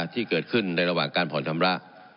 ที่เกิดขึ้นในระหว่างการผ่อนชำระ